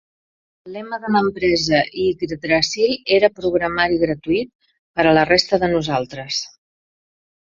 El lema de l'empresa d'Yggdrasil era "Programari gratuït per a la resta de nosaltres".